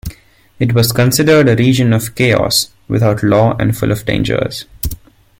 It was considered a region of chaos, without law and full of dangers.